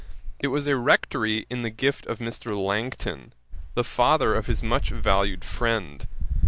It was a rectory in the gift of Mr. Langton, the father of his much valued friend.